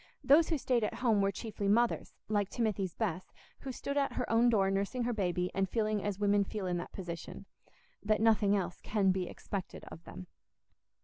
Those who stayed at home were chiefly mothers, like Timothy's Bess, who stood at her own door nursing her baby and feeling as women feel in that position—that nothing else can be expected of them.